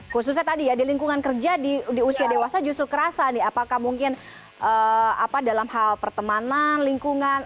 khususnya tadi ya di lingkungan kerja di usia dewasa justru kerasa nih apakah mungkin dalam hal pertemanan lingkungan